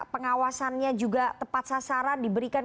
pengawasannya juga tepat sasaran